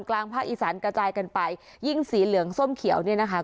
กลางภาคอีสานกระจายกันไปยิ่งสีเหลืองส้มเขียวเนี่ยนะคะ